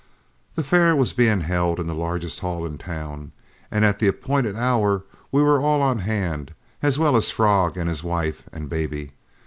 The fair was being held in the largest hall in town, and at the appointed hour we were all on hand, as well as Frog and his wife and baby.